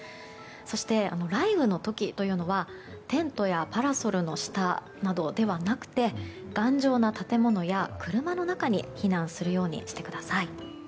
そして、雷雨の時というのはテントやパラソルの下などではなく頑丈な建物や車の中に避難するようにしてください。